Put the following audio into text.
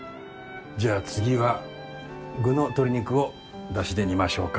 じゃあ次は具の鶏肉をだしで煮ましょうか。